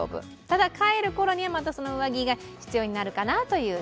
ただ、帰るころにはその上着が必要になるかなという